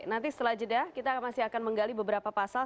nanti setelah jeda kita masih akan menggali beberapa pasal